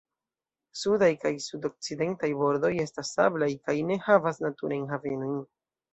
Sudaj kaj sud-okcidentaj bordoj estas sablaj kaj ne havas naturajn havenojn.